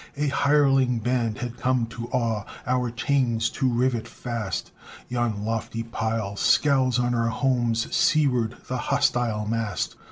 A hireling band had come to awe, Our chains to rivet fast; Yon lofty pile scowls on our homes Seaward the hostile mast.